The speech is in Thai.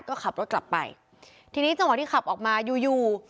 ก็ขับรถกลับไปทีนี้จังหวะที่ขับออกมาอยู่อยู่